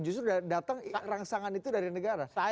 justru datang rangsangan itu dari negara